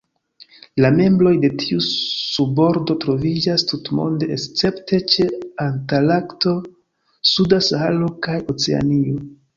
La membroj de tiu subordo troviĝas tutmonde escepte ĉe Antarkto, suda Saharo, kaj Oceanio.